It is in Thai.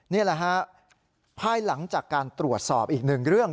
นี่แหละฮะภายหลังจากการตรวจสอบอีกหนึ่งเรื่อง